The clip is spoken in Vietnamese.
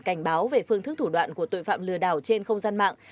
cảnh báo về phương thức thủ đoạn của tội phạm lừa đảo trên không gian mạng